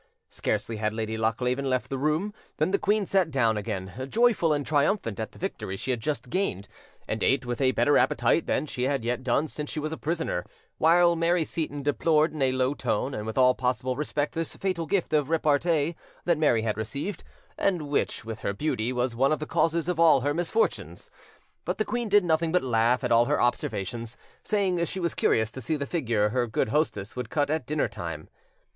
Scarcely had Lady Lochleven left the room than the queen sat down again, joyful and triumphant at the victory she had just gained, and ate with a better appetite than she had yet done since she was a prisoner, while Mary Seyton deplored in a low tone and with all possible respect this fatal gift of repartee that Mary had received, and which, with her beauty, was one of the causes of all her misfortunes; but the queen did nothing but laugh at all her observations, saying she was curious to see the figure her good hostess would cut at dinnertime.